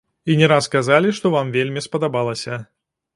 І не раз казалі, што вам вельмі спадабалася.